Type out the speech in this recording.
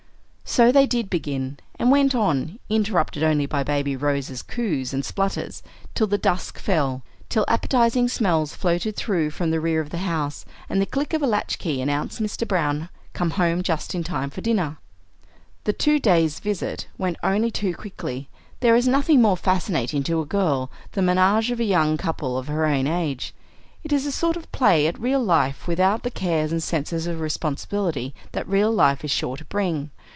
So they did begin, and went on, interrupted only by Baby Rose's coos and splutters, till the dusk fell, till appetizing smells floated through from the rear of the house, and the click of a latch key announced Mr. Browne, come home just in time for dinner. The two days' visit went only too quickly. There is nothing more fascinating to a girl than the menage of a young couple of her own age. It is a sort of playing at real life without the cares and the sense of responsibility that real life is sure to bring.